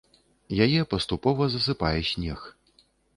Яе паступова засыпае снег.